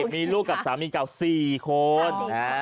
มีลูกกับสามีเก่า๔คน